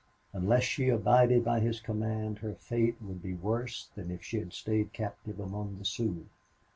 Unless she abided by his command her fate would be worse than if she had stayed captive among the Sioux.